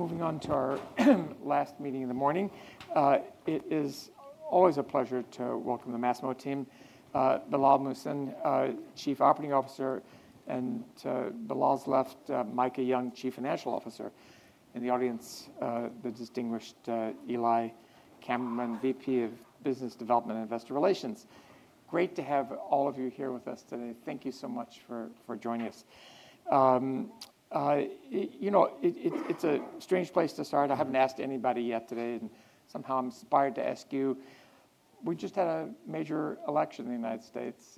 Moving on to our last meeting in the morning. It is always a pleasure to welcome the Masimo team, Bilal Muhsin, Chief Operating Officer, and to Bilal's left, Micah Young, Chief Financial Officer. In the audience, the distinguished Eli Kammerman, VP of Business Development and Investor Relations. Great to have all of you here with us today. Thank you so much for joining us. You know, it's a strange place to start. I haven't asked anybody yet today, and somehow I'm inspired to ask you. We just had a major election in the United States,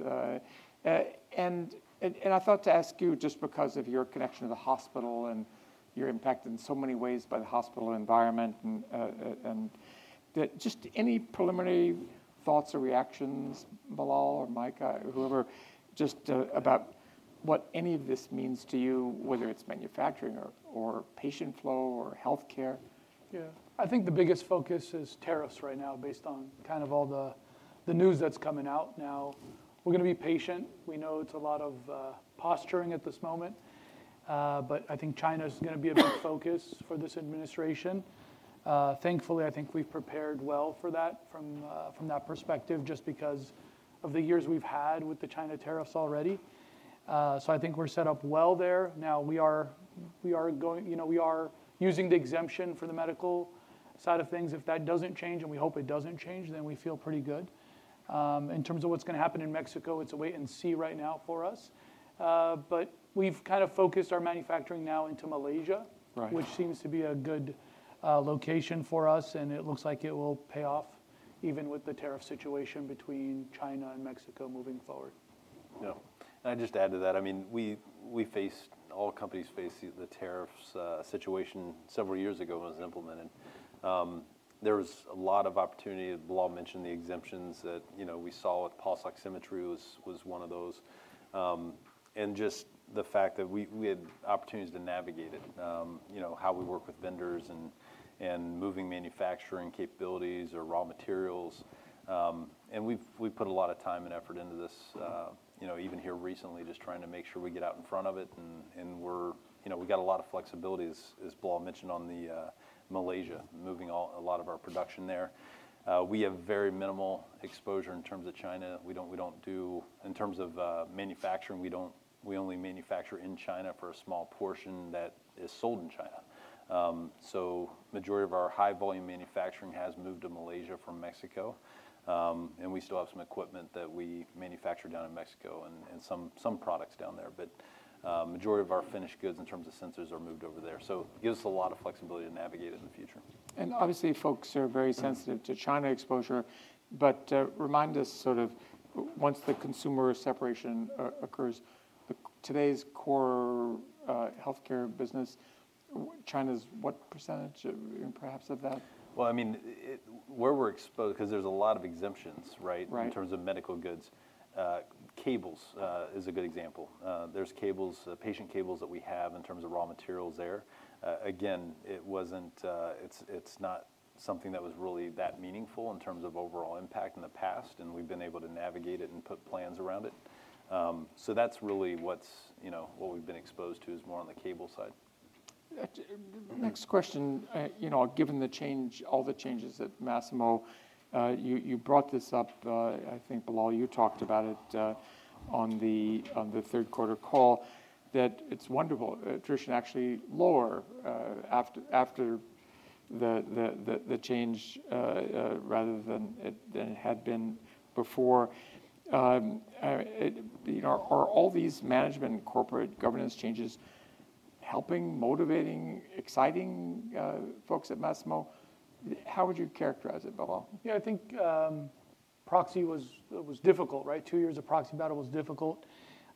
and I thought to ask you just because of your connection to the hospital and your impact in so many ways by the hospital environment, and just any preliminary thoughts or reactions, Bilal or Micah, whoever, just about what any of this means to you, whether it's manufacturing or patient flow or healthcare. Yeah, I think the biggest focus is tariffs right now based on kind of all the news that's coming out now. We're going to be patient. We know it's a lot of posturing at this moment, but I think China is going to be a big focus for this administration. Thankfully, I think we've prepared well for that from that perspective just because of the years we've had with the China tariffs already. So I think we're set up well there. Now we are going, you know, we are using the exemption for the medical side of things. If that doesn't change, and we hope it doesn't change, then we feel pretty good. In terms of what's going to happen in Mexico, it's a wait and see right now for us. But we've kind of focused our manufacturing now into Malaysia, which seems to be a good location for us, and it looks like it will pay off even with the tariff situation between China and Mexico moving forward. Yeah, I'd just add to that. I mean, we faced, all companies faced the tariffs situation several years ago when it was implemented. There was a lot of opportunity, Bilal mentioned the exemptions that, you know, we saw with pulse oximetry was one of those. And just the fact that we had opportunities to navigate it, you know, how we work with vendors and moving manufacturing capabilities or raw materials. And we've put a lot of time and effort into this, you know, even here recently just trying to make sure we get out in front of it. And we're, you know, we've got a lot of flexibility as Bilal mentioned on the Malaysia, moving a lot of our production there. We have very minimal exposure in terms of China. We don't do, in terms of manufacturing, we only manufacture in China for a small portion that is sold in China. So the majority of our high volume manufacturing has moved to Malaysia from Mexico, and we still have some equipment that we manufacture down in Mexico and some products down there. But the majority of our finished goods in terms of sensors are moved over there. So it gives us a lot of flexibility to navigate it in the future. Obviously folks are very sensitive to China exposure, but remind us sort of once the consumer separation occurs, today's core healthcare business, China's what percentage perhaps of that? Well, I mean, where we're exposed, because there's a lot of exemptions, right, in terms of medical goods. Cables is a good example. There's cables, patient cables that we have in terms of raw materials there. Again, it wasn't, it's not something that was really that meaningful in terms of overall impact in the past, and we've been able to navigate it and put plans around it. So that's really what's, you know, what we've been exposed to is more on the cable side. Next question, you know, given the change, all the changes at Masimo, you brought this up, I think Bilal, you talked about it on the third quarter call that it's wonderful, attrition actually lower after the change rather than it had been before. You know, are all these management corporate governance changes helping, motivating, exciting folks at Masimo? How would you characterize it, Bilal? Yeah, I think proxy was difficult, right? Two years of proxy battle was difficult,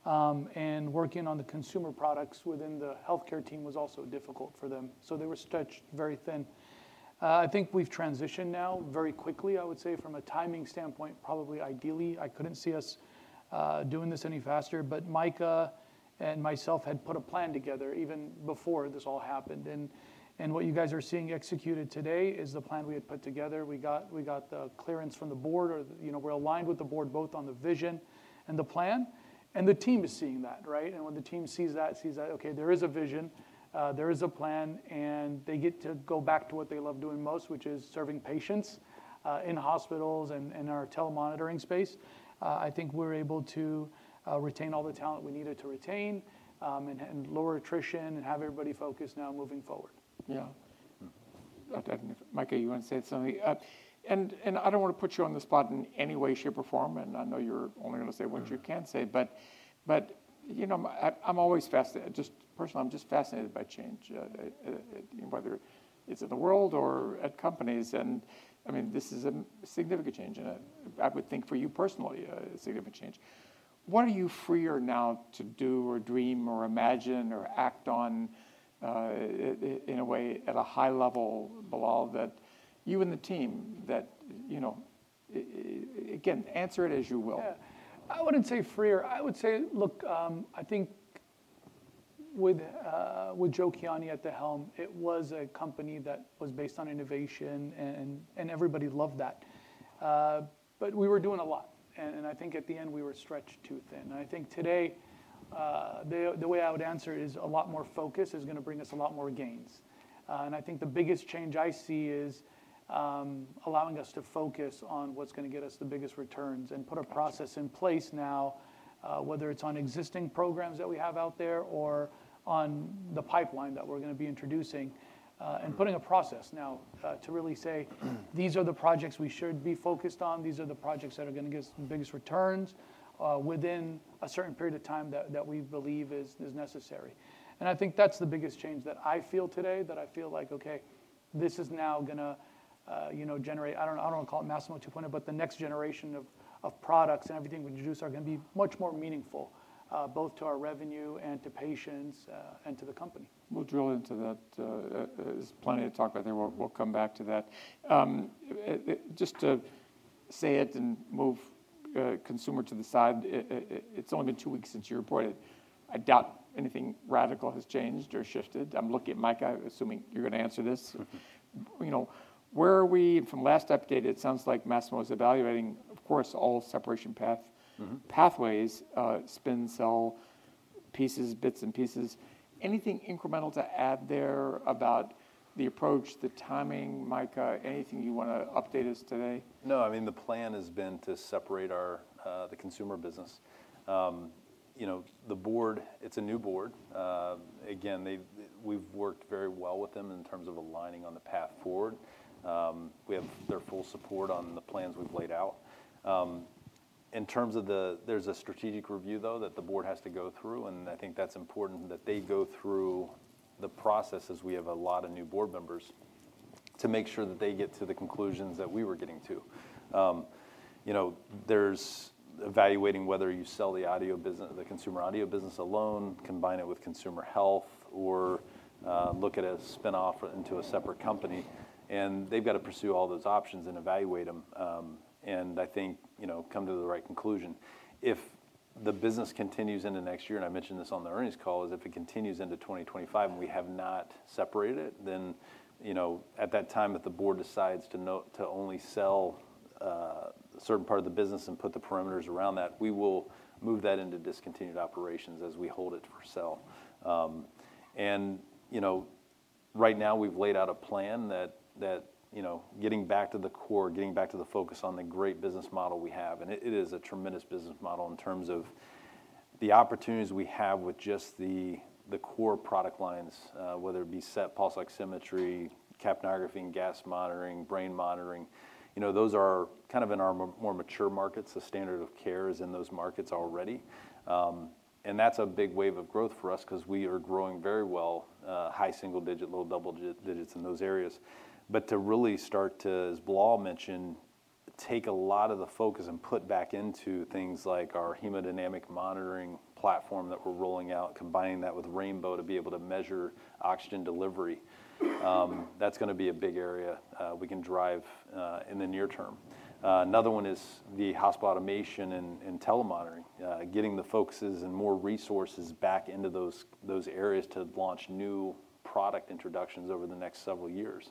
and working on the consumer products within the healthcare team was also difficult for them. So they were stretched very thin. I think we've transitioned now very quickly, I would say, from a timing standpoint, probably ideally. I couldn't see us doing this any faster, but Micah and myself had put a plan together even before this all happened. And what you guys are seeing executed today is the plan we had put together. We got the clearance from the board, or you know, we're aligned with the board both on the vision and the plan, and the team is seeing that, right? When the team sees that, okay, there is a vision, there is a plan, and they get to go back to what they love doing most, which is serving patients in hospitals and in our telemonitoring space. I think we're able to retain all the talent we needed to retain and lower attrition and have everybody focused now moving forward. Yeah. Micah, you want to say something? And I don't want to put you on the spot in any way, shape, or form, and I know you're only going to say what you can say, but you know, I'm always fascinated, just personally, I'm just fascinated by change, whether it's in the world or at companies. And I mean, this is a significant change, and I would think for you personally, a significant change. What are you freer now to do or dream or imagine or act on in a way at a high level, Bilal, that you and the team that, you know, again, answer it as you will. I wouldn't say freer. I would say, look, I think with Joe Kiani at the helm, it was a company that was based on innovation and everybody loved that. But we were doing a lot, and I think at the end we were stretched too thin. And I think today the way I would answer it is a lot more focus is going to bring us a lot more gains. And I think the biggest change I see is allowing us to focus on what's going to get us the biggest returns and put a process in place now, whether it's on existing programs that we have out there or on the pipeline that we're going to be introducing and putting a process now to really say, these are the projects we should be focused on, these are the projects that are going to give us the biggest returns within a certain period of time that we believe is necessary. And I think that's the biggest change that I feel today, that I feel like, okay, this is now going to, you know, generate, I don't want to call it Masimo 2.0, but the next generation of products and everything we introduce are going to be much more meaningful both to our revenue and to patients and to the company. We'll drill into that. There's plenty to talk about. I think we'll come back to that. Just to say it and move consumer to the side, it's only been two weeks since you reported. I doubt anything radical has changed or shifted. I'm looking at Micah, assuming you're going to answer this. You know, where are we from last update? It sounds like Masimo is evaluating, of course, all separation pathways, spinoff, pieces, bits and pieces. Anything incremental to add there about the approach, the timing, Micah, anything you want to update us today? No, I mean, the plan has been to separate our, the consumer business. You know, the board, it's a new board. Again, we've worked very well with them in terms of aligning on the path forward. We have their full support on the plans we've laid out. In terms of the, there's a strategic review though that the board has to go through, and I think that's important that they go through the process as we have a lot of new board members to make sure that they get to the conclusions that we were getting to. You know, they're evaluating whether you sell the audio business, the consumer audio business alone, combine it with consumer health, or look at a spinoff into a separate company. And they've got to pursue all those options and evaluate them. And I think, you know, come to the right conclusion. If the business continues into next year, and I mentioned this on the earnings call, it is if it continues into 2025 and we have not separated it. Then, you know, at that time that the board decides to only sell a certain part of the business and put the parameters around that, we will move that into discontinued operations as we hold it for sale. You know, right now we've laid out a plan that, you know, getting back to the core, getting back to the focus on the great business model we have. It is a tremendous business model in terms of the opportunities we have with just the core product lines, whether it be SET pulse oximetry, capnography, and gas monitoring, brain monitoring. You know, those are kind of in our more mature markets. The standard of care is in those markets already. That's a big wave of growth for us because we are growing very well, high single digit, low double digits in those areas. But to really start to, as Bilal mentioned, take a lot of the focus and put back into things like our hemodynamic monitoring platform that we're rolling out, combining that with Rainbow to be able to measure oxygen delivery. That's going to be a big area we can drive in the near term. Another one is the hospital automation and telemonitoring, getting the focuses and more resources back into those areas to launch new product introductions over the next several years.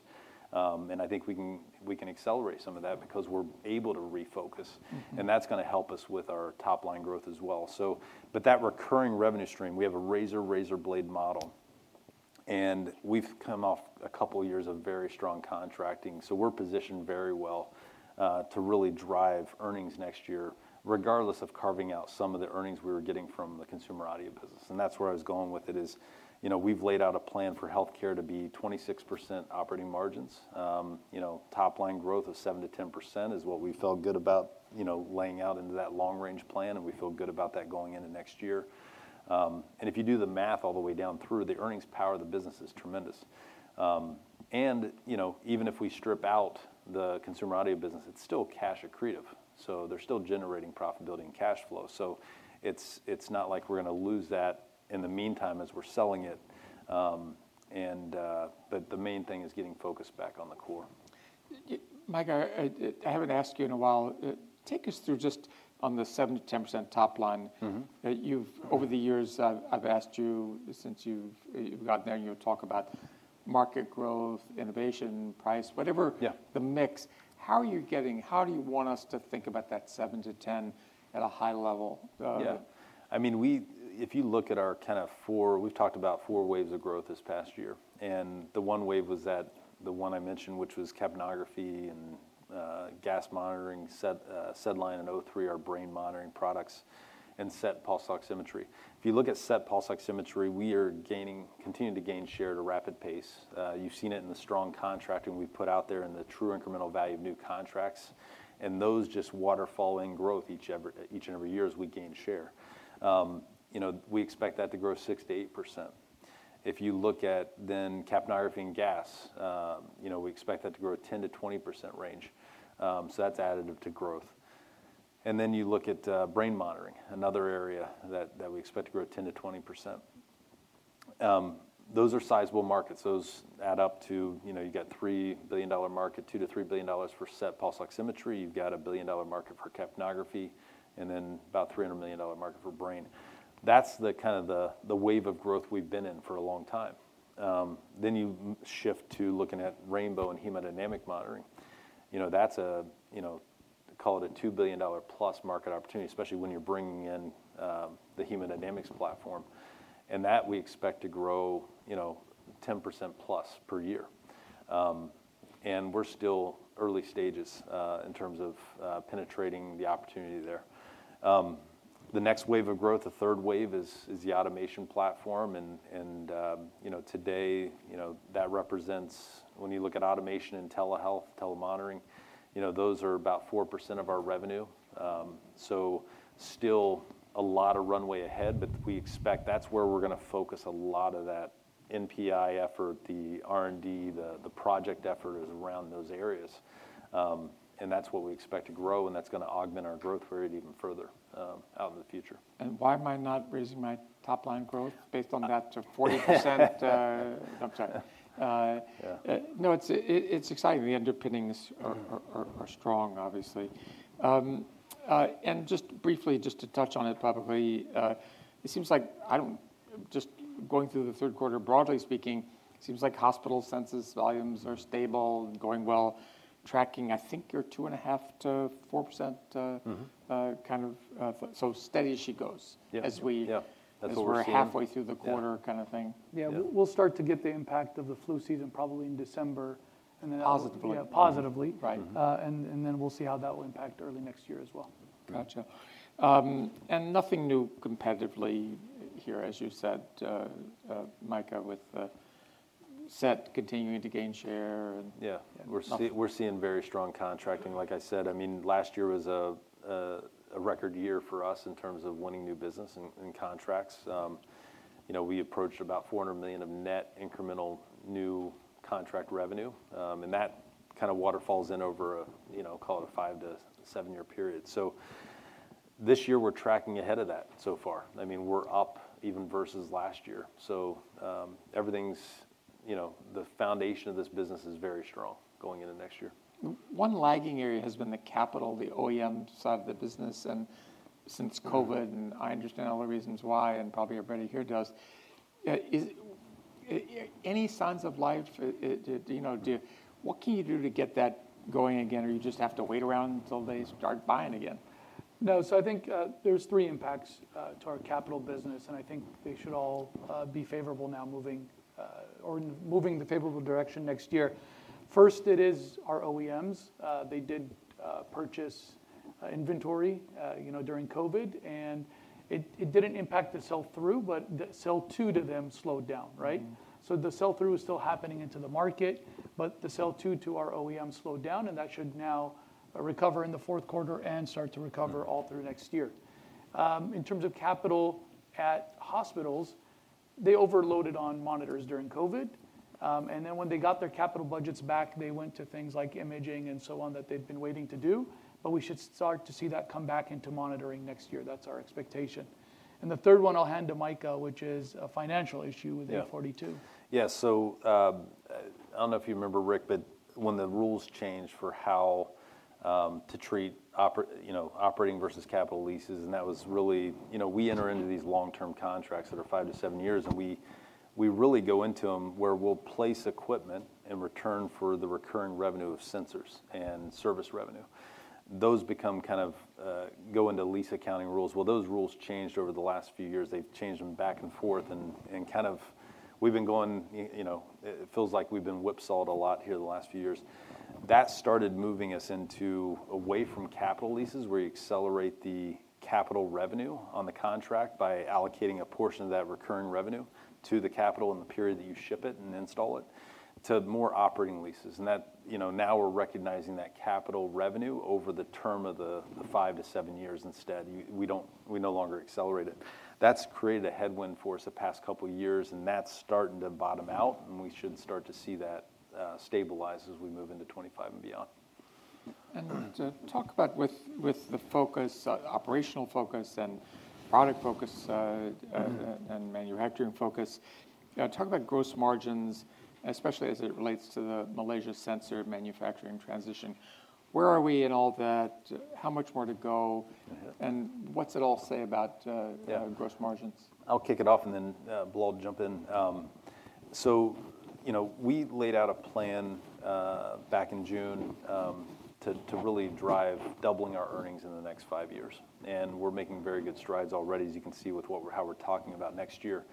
I think we can accelerate some of that because we're able to refocus, and that's going to help us with our top line growth as well. So, but that recurring revenue stream, we have a razor blade model, and we've come off a couple of years of very strong contracting, so we're positioned very well to really drive earnings next year, regardless of carving out some of the earnings we were getting from the consumer audio business, and that's where I was going with it is, you know, we've laid out a plan for healthcare to be 26% operating margins. You know, top line growth of 7%-10% is what we felt good about, you know, laying out into that long range plan, and we feel good about that going into next year, and if you do the math all the way down through, the earnings power of the business is tremendous, and, you know, even if we strip out the consumer audio business, it's still cash accretive. So they're still generating profitability and cash flow. So it's not like we're going to lose that in the meantime as we're selling it. And, but the main thing is getting focused back on the core. Micah, I haven't asked you in a while. Take us through just on the 7%-10% top line. You've, over the years, I've asked you since you've gotten there and you'll talk about market growth, innovation, price, whatever the mix. How are you getting, how do you want us to think about that 7%-10% at a high level? Yeah, I mean, we, if you look at our kind of four, we've talked about four waves of growth this past year, and the one wave was that the one I mentioned, which was capnography and gas monitoring, SedLine and O3, our brain monitoring products and SET pulse oximetry. If you look at SET pulse oximetry, we are gaining, continuing to gain share at a rapid pace. You've seen it in the strong contracting we've put out there and the True Incremental value of new contracts. And those just waterfall in growth each and every year as we gain share. You know, we expect that to grow 6%-8%. If you look at then capnography and gas, you know, we expect that to grow 10%-20% range, so that's additive to growth. And then you look at brain monitoring, another area that we expect to grow 10%-20%. Those are sizable markets. Those add up to, you know, you've got $3 billion market, $2-$3 billion for SET pulse oximetry. You've got a $1 billion market for capnography and then about $300 million market for brain. That's the kind of the wave of growth we've been in for a long time. Then you shift to looking at Rainbow and hemodynamic monitoring. You know, that's a, you know, call it a $2 billion plus market opportunity, especially when you're bringing in the hemodynamics platform. And that we expect to grow, you know, 10% plus per year. And we're still early stages in terms of penetrating the opportunity there. The next wave of growth, the third wave is the automation platform. You know, today, you know, that represents when you look at automation and telehealth, telemonitoring, you know, those are about 4% of our revenue. Still a lot of runway ahead, but we expect that's where we're going to focus a lot of that NPI effort, the R&D, the project effort is around those areas. That's what we expect to grow, and that's going to augment our growth rate even further out in the future. And why am I not raising my top line growth based on that to 40%? I'm sorry. No, it's exciting. The underpinnings are strong, obviously. And just briefly, just to touch on it publicly, it seems like I don't, just going through the third quarter, broadly speaking, it seems like hospital census volumes are stable, going well, tracking, I think you're 2.5%-4% kind of so steady as she goes as we're halfway through the quarter kind of thing. Yeah, we'll start to get the impact of the flu season probably in December and then. Positively. Yeah, positively. And then we'll see how that will impact early next year as well. Gotcha, and nothing new competitively here, as you said, Micah, with SET continuing to gain share. Yeah, we're seeing very strong contracting. Like I said, I mean, last year was a record year for us in terms of winning new business and contracts. You know, we approached about $400 million of net incremental new contract revenue. And that kind of waterfalls in over a, you know, call it a five-to-seven-year period. So this year we're tracking ahead of that so far. I mean, we're up even versus last year. So everything's, you know, the foundation of this business is very strong going into next year. One lagging area has been the capital, the OEM side of the business. And since COVID, and I understand all the reasons why and probably everybody here does, any signs of life, you know, what can you do to get that going again? Or you just have to wait around until they start buying again? No, so I think there's three impacts to our capital business, and I think they should all be favorable now moving or moving in the favorable direction next year. First, it is our OEMs. They did purchase inventory, you know, during COVID, and it didn't impact the sell-through, but the sell-to to them slowed down, right? So the sell-through is still happening into the market, but the sell-to to our OEMs slowed down, and that should now recover in the fourth quarter and start to recover all through next year. In terms of capital at hospitals, they overloaded on monitors during COVID. And then when they got their capital budgets back, they went to things like imaging and so on that they've been waiting to do. But we should start to see that come back into monitoring next year. That's our expectation. The third one I'll hand to Micah, which is a financial issue with ASC 842. Yeah, so I don't know if you remember, Rick, but when the rules changed for how to treat, you know, operating versus capital leases, and that was really, you know, we enter into these long-term contracts that are five to seven years, and we really go into them where we'll place equipment in return for the recurring revenue of sensors and service revenue. Those become kind of go into lease accounting rules. Well, those rules changed over the last few years. They've changed them back and forth. And kind of we've been going, you know, it feels like we've been whipsawed a lot here the last few years. That started moving us away from capital leases where you accelerate the capital revenue on the contract by allocating a portion of that recurring revenue to the capital in the period that you ship it and install it to more operating leases. And that, you know, now we're recognizing that capital revenue over the term of the five to seven years instead. We don't, we no longer accelerate it. That's created a headwind for us the past couple of years, and that's starting to bottom out, and we should start to see that stabilize as we move into 2025 and beyond. And to talk about with the focus, operational focus and product focus and manufacturing focus, talk about gross margins, especially as it relates to the Malaysia sensor manufacturing transition. Where are we in all that? How much more to go? And what's it all say about gross margins? I'll kick it off and then Bilal will jump in. So, you know, we laid out a plan back in June to really drive doubling our earnings in the next five years, and we're making very good strides already, as you can see with how we're talking about next year.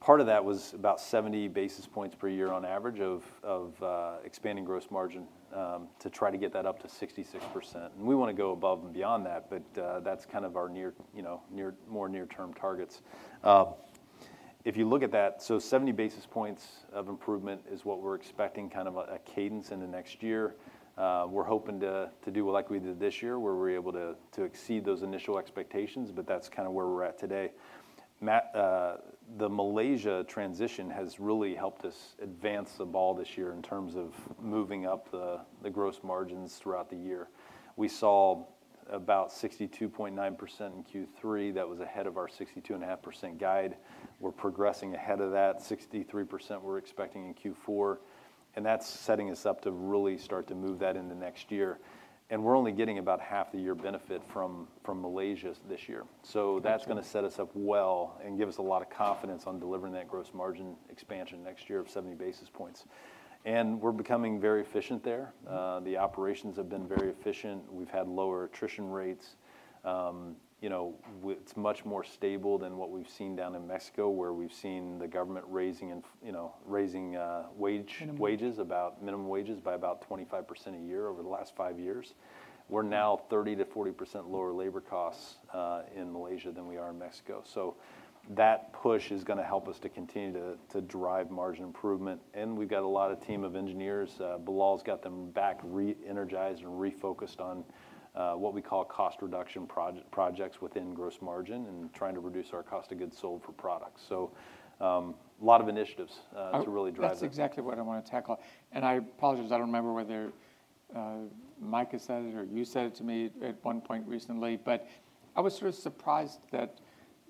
Part of that was about 70 basis points per year on average of expanding gross margin to try to get that up to 66%, and we want to go above and beyond that, but that's kind of our near, you know, more near-term targets. If you look at that, so 70 basis points of improvement is what we're expecting kind of a cadence into next year. We're hoping to do like we did this year where we're able to exceed those initial expectations, but that's kind of where we're at today. The Malaysia transition has really helped us advance the ball this year in terms of moving up the gross margins throughout the year. We saw about 62.9% in Q3. That was ahead of our 62.5% guide. We're progressing ahead of that, 63% we're expecting in Q4, and that's setting us up to really start to move that into next year, and we're only getting about half the year benefit from Malaysia this year, so that's going to set us up well and give us a lot of confidence on delivering that gross margin expansion next year of 70 basis points, and we're becoming very efficient there. The operations have been very efficient. We've had lower attrition rates. You know, it's much more stable than what we've seen down in Mexico where we've seen the government raising, you know, raising wages, about minimum wages by about 25% a year over the last five years. We're now 30%-40% lower labor costs in Malaysia than we are in Mexico. So that push is going to help us to continue to drive margin improvement. And we've got a lot of team of engineers. Bilal has got them back, re-energized and refocused on what we call cost reduction projects within gross margin and trying to reduce our cost of goods sold for products. So a lot of initiatives to really drive that. That's exactly what I want to tackle. And I apologize, I don't remember whether Micah said it or you said it to me at one point recently, but I was sort of surprised that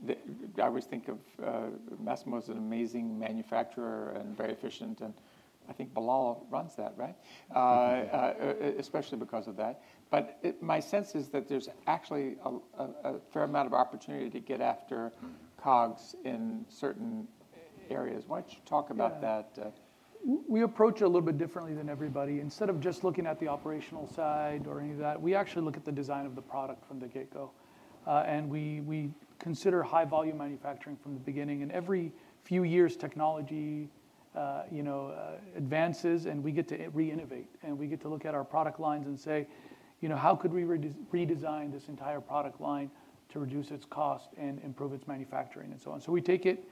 I always think of Masimo as an amazing manufacturer and very efficient. And I think Bilal runs that, right? Especially because of that. But my sense is that there's actually a fair amount of opportunity to get after COGS in certain areas. Why don't you talk about that? We approach it a little bit differently than everybody. Instead of just looking at the operational side or any of that, we actually look at the design of the product from the get-go, and we consider high volume manufacturing from the beginning, and every few years technology, you know, advances and we get to re-innovate and we get to look at our product lines and say, you know, how could we redesign this entire product line to reduce its cost and improve its manufacturing and so on, so we take it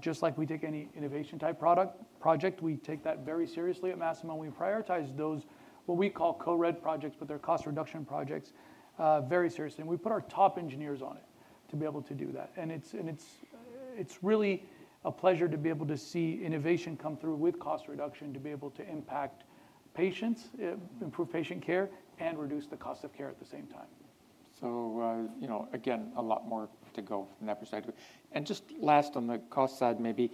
just like we take any innovation type product project. We take that very seriously at Masimo. We prioritize those what we call co-red projects, but they're cost reduction projects very seriously, and we put our top engineers on it to be able to do that. It's really a pleasure to be able to see innovation come through with cost reduction to be able to impact patients, improve patient care, and reduce the cost of care at the same time. So, you know, again, a lot more to go from that perspective. And just last on the cost side maybe,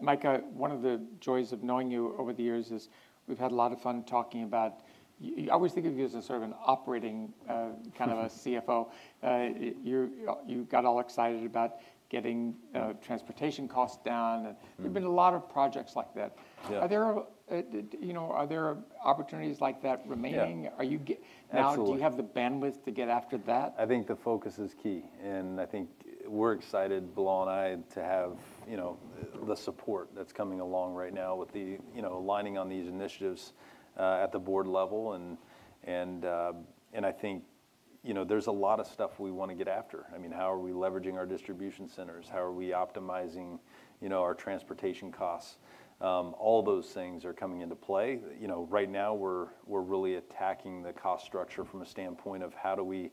Micah, one of the joys of knowing you over the years is we've had a lot of fun talking about, I always think of you as a sort of an operating kind of a CFO. You got all excited about getting transportation costs down. There've been a lot of projects like that. Are there, you know, are there opportunities like that remaining? Are you now, do you have the bandwidth to get after that? I think the focus is key. And I think we're excited, Bilal and I, to have, you know, the support that's coming along right now with the, you know, aligning on these initiatives at the board level. And I think, you know, there's a lot of stuff we want to get after. I mean, how are we leveraging our distribution centers? How are we optimizing, you know, our transportation costs? All those things are coming into play. You know, right now we're really attacking the cost structure from a standpoint of how do we,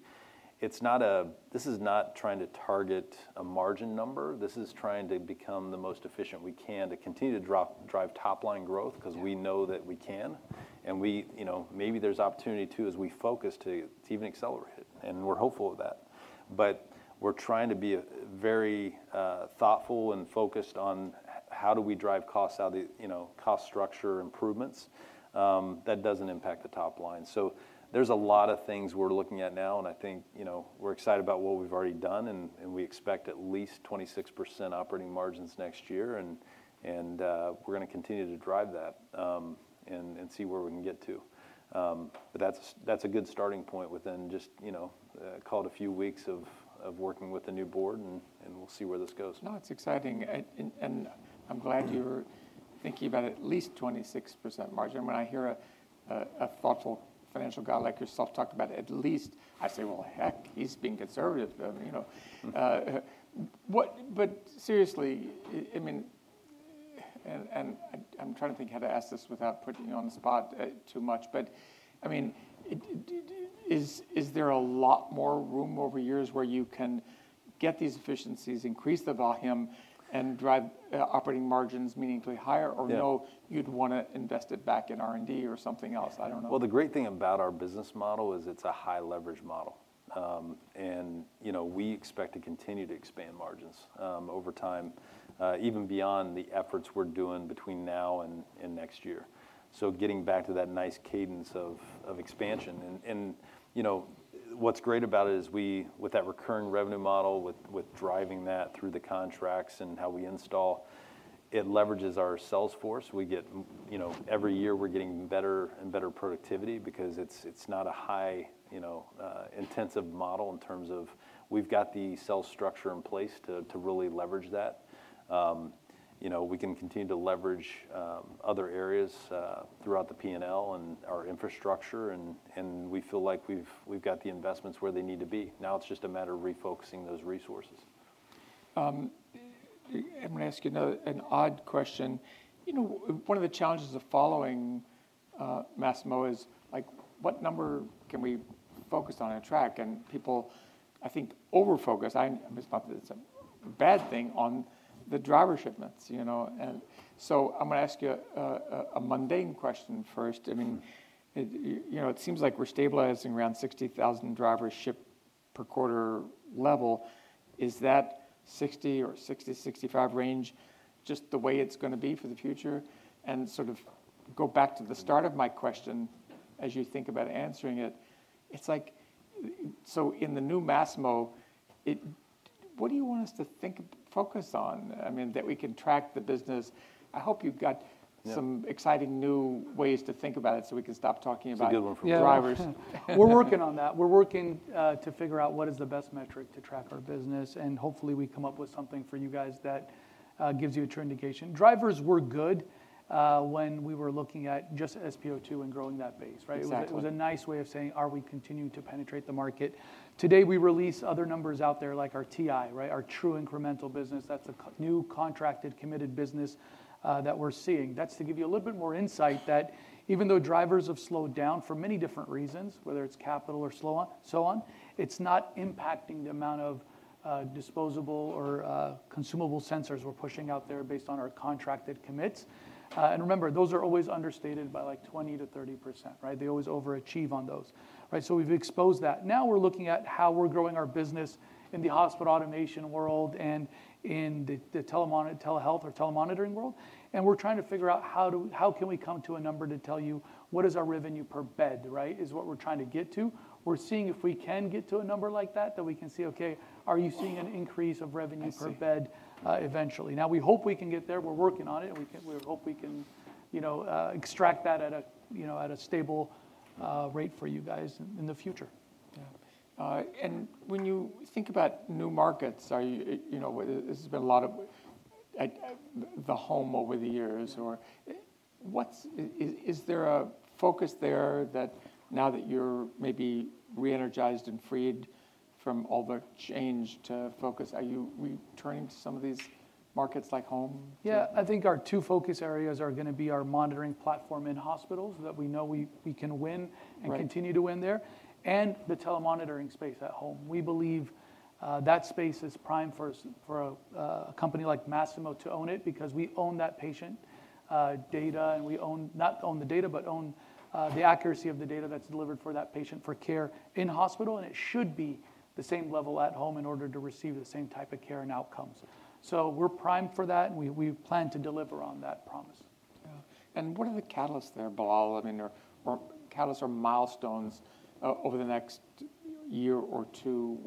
it's not a, this is not trying to target a margin number. This is trying to become the most efficient we can to continue to drive top line growth because we know that we can. And we, you know, maybe there's opportunity too, as we focus to even accelerate it. And we're hopeful of that. But we're trying to be very thoughtful and focused on how do we drive costs, how the, you know, cost structure improvements that doesn't impact the top line. So there's a lot of things we're looking at now. And I think, you know, we're excited about what we've already done. And we expect at least 26% operating margins next year. And we're going to continue to drive that and see where we can get to. But that's a good starting point within just, you know, call it a few weeks of working with the new board. And we'll see where this goes. No, it's exciting. And I'm glad you're thinking about at least 26% margin. When I hear a thoughtful financial guy like yourself talk about at least, I say, well, heck, he's being conservative, you know. But seriously, I mean, and I'm trying to think how to ask this without putting you on the spot too much, but I mean, is there a lot more room over years where you can get these efficiencies, increase the volume and drive operating margins meaningfully higher? Or no, you'd want to invest it back in R&D or something else? I don't know. The great thing about our business model is it's a high leverage model. You know, we expect to continue to expand margins over time, even beyond the efforts we're doing between now and next year. Getting back to that nice cadence of expansion. You know, what's great about it is we, with that recurring revenue model, with driving that through the contracts and how we install, it leverages our sales force. We get, you know, every year we're getting better and better productivity because it's not a high, you know, intensive model in terms of we've got the sales structure in place to really leverage that. You know, we can continue to leverage other areas throughout the P&L and our infrastructure. We feel like we've got the investments where they need to be. Now it's just a matter of refocusing those resources. I'm going to ask you an odd question. You know, one of the challenges of following Masimo is like what number can we focus on and track? And people, I think, over-focus. I misspoke, it's a bad thing on the driver shipments, you know. And so I'm going to ask you a mundane question first. I mean, you know, it seems like we're stabilizing around 60,000 driver shipments per quarter level. Is that 60 or 60-65 range just the way it's going to be for the future? And sort of go back to the start of my question as you think about answering it. It's like, so in the new Masimo, what do you want us to think, focus on? I mean, that we can track the business. I hope you've got some exciting new ways to think about it so we can stop talking about drivers. That's a good one for Bilal. We're working on that. We're working to figure out what is the best metric to track our business, and hopefully we come up with something for you guys that gives you a true indication. Drivers were good when we were looking at just SpO2 and growing that base, right? It was a nice way of saying, are we continuing to penetrate the market? Today we release other numbers out there like our TI, right? Our True incremental business. That's a new contracted, committed business that we're seeing. That's to give you a little bit more insight that even though drivers have slowed down for many different reasons, whether it's capital or so on, it's not impacting the amount of disposable or consumable sensors we're pushing out there based on our contracted commits. Remember, those are always understated by like 20%-30%, right? They always overachieve on those, right? So we've exposed that. Now we're looking at how we're growing our business in the hospital automation world and in the telemonitor, telehealth or telemonitoring world. And we're trying to figure out how can we come to a number to tell you what is our revenue per bed, right? Is what we're trying to get to. We're seeing if we can get to a number like that, that we can see, okay, are you seeing an increase of revenue per bed eventually? Now we hope we can get there. We're working on it. We hope we can, you know, extract that at a, you know, at a stable rate for you guys in the future. Yeah. And when you think about new markets, you know, this has been a lot of the home over the years, or what's, is there a focus there that now that you're maybe re-energized and freed from all the change to focus, are you returning to some of these markets like home? Yeah, I think our two focus areas are going to be our monitoring platform in hospitals that we know we can win and continue to win there, and the telemonitoring space at home. We believe that space is prime for a company like Masimo to own it because we own that patient data, and we own not own the data, but own the accuracy of the data that's delivered for that patient for care in hospital, and it should be the same level at home in order to receive the same type of care and outcomes, so we're primed for that, and we plan to deliver on that promise. Yeah. And what are the catalysts there, Bilal? I mean, or catalysts or milestones over the next year or two?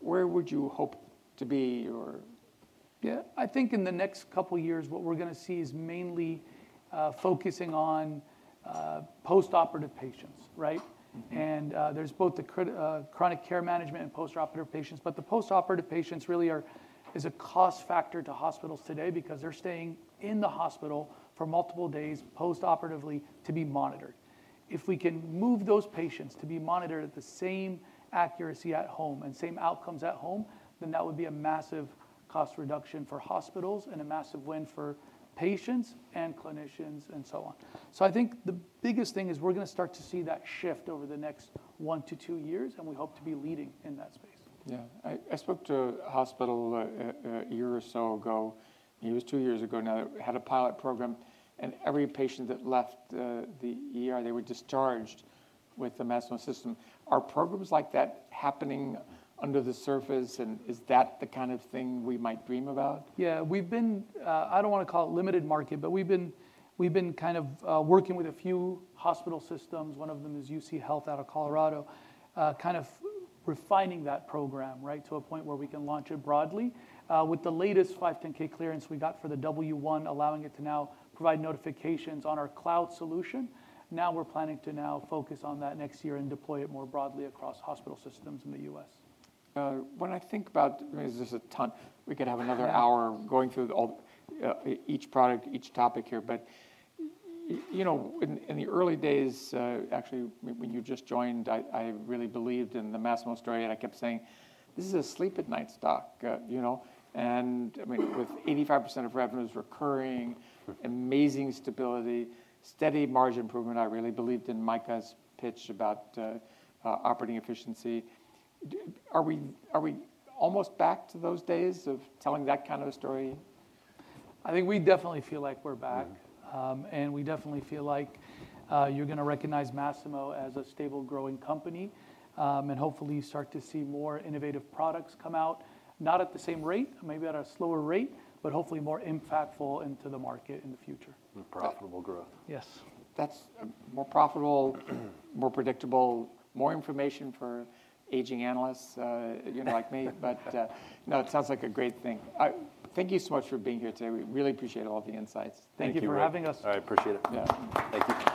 Where would you hope to be? Yeah, I think in the next couple of years, what we're going to see is mainly focusing on post-operative patients, right, and there's both the chronic care management and post-operative patients, but the post-operative patients really are a cost factor to hospitals today because they're staying in the hospital for multiple days post-operatively to be monitored. If we can move those patients to be monitored at the same accuracy at home and same outcomes at home, then that would be a massive cost reduction for hospitals and a massive win for patients and clinicians and so on, so I think the biggest thing is we're going to start to see that shift over the next one to two years, and we hope to be leading in that space. Yeah. I spoke to a hospital a year or so ago. It was two years ago now that had a pilot program. And every patient that left, they were discharged with the Masimo system. Are programs like that happening under the surface? And is that the kind of thing we might dream about? Yeah, we've been. I don't want to call it limited market, but we've been kind of working with a few hospital systems. One of them is UCHealth out of Colorado, kind of refining that program, right, to a point where we can launch it broadly with the latest 510(k) clearance we got for the W1, allowing it to now provide notifications on our cloud solution. Now we're planning to now focus on that next year and deploy it more broadly across hospital systems in the US. When I think about, I mean, there's a ton, we could have another hour going through each product, each topic here, but you know, in the early days, actually, when you just joined, I really believed in the Masimo story, and I kept saying, this is a sleep at night stock, you know, and I mean, with 85% of revenues recurring, amazing stability, steady margin improvement, I really believed in Micah's pitch about operating efficiency. Are we almost back to those days of telling that kind of a story? I think we definitely feel like we're back, and we definitely feel like you're going to recognize Masimo as a stable growing company, and hopefully you start to see more innovative products come out, not at the same rate, maybe at a slower rate, but hopefully more impactful into the market in the future. More profitable growth. Yes. That's more profitable, more predictable, more information for aging analysts, you know, like me. But no, it sounds like a great thing. Thank you so much for being here today. We really appreciate all the insights. Thank you for having us. I appreciate it. Yeah. Thank you.